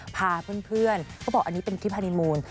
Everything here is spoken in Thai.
พาเพื่อนเขาบอกอันนี้เป็นคลิปฮานีมูล